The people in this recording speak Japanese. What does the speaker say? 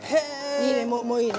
いいねもういいね。